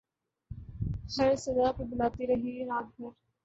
ہر صدا پر بلاتی رہی رات بھر